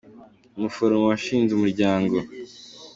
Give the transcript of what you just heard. umuforomo washinze umuryango.